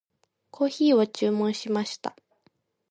コーヒーを注文しました。